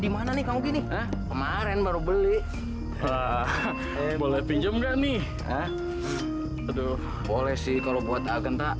dimana nih kamu gini kemarin baru beli boleh pinjam gak nih aduh boleh sih kalau buat agenta